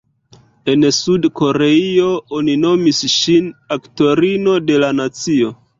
En Sud-Koreio oni nomis ŝin ""aktorino de la nacio"".